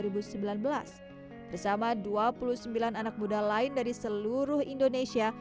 bersama dua puluh sembilan anak muda lain dari seluruh indonesia